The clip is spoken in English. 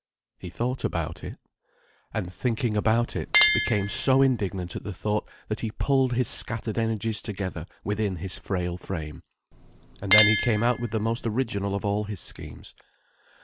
He thought about it. And thinking about it, became so indignant at the thought that he pulled his scattered energies together within his frail frame. And then he came out with the most original of all his schemes.